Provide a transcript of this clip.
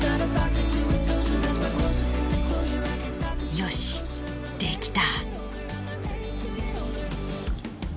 よしできた！